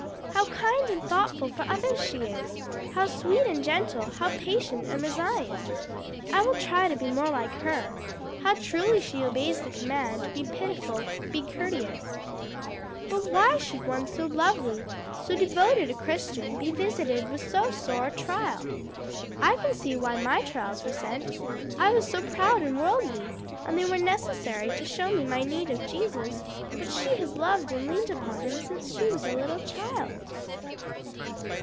"How kind and thoughtful for others she is! how sweet and gentle, how patient and resigned. I will try to be more like her. How truly she obeys the command 'Be pitiful, be courteous.' "But why should one so lovely, so devoted a Christian, be visited with so sore a trial? I can see why my trials were sent. I was so proud and worldly; and they were necessary to show me my need of Jesus; but she has loved and leaned upon him since she was a little child."